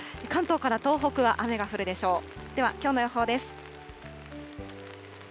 関東から東北は雨が降るでしょう。